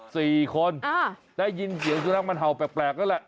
สี่คนได้ยินเสียงสุดท้ายมันเห่าแปลกนั่นแหละ